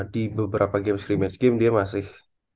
di beberapa game scrimmage game dia masih